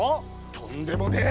とんでもねえ。